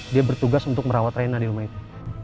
dia bertugas untuk merawat rena di rumah itu